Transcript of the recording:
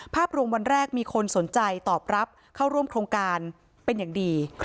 ภาพรวมวันแรกมีคนสนใจตอบรับเข้าร่วมโครงการเป็นอย่างดี